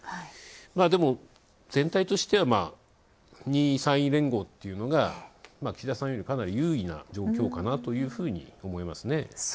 でも、全体としては、２３位連合というのが岸田さんよりかなり優位な状況かなというふうに思いますね。